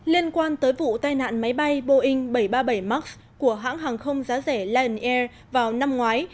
liên quan tới vụ tai nạn máy bay boeing bảy trăm ba mươi bảy max của hãng hàng không giá rẻ lion air vào năm ngoái